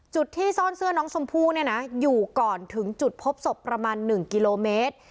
จุดที่ซ่อนเสื้อน้องชมพู่เนี่ยนะอยู่ก่อนถึงจุดพบศพประมาณ๑กิโลเมตร